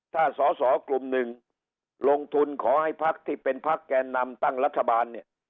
ถ้าสอสอกลุ่มหนึ่งลงทุนขอให้พักที่เป็นพักแก่นำตั้งรัฐบาลเนี่ย